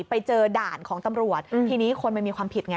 ไปเจอด่านของตำรวจทีนี้คนมันมีความผิดไง